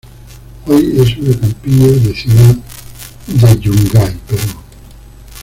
Hoy es una campiña de ciudad de Yungay, Perú.